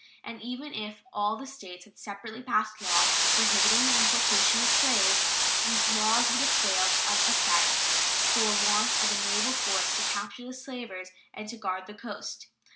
And even if all the States had separately passed laws prohibiting the importation of slaves, these laws would have failed of effect for want of a naval force to capture the slavers and to guard the coast.